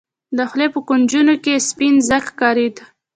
د خولې په کونجونو کښې يې سپين ځګ ښکارېده.